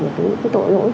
những cái tội lỗi